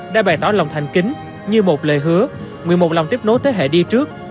đã bày tỏ lòng thành kính như một lời hứa nguyên một lòng tiếp nối thế hệ đi trước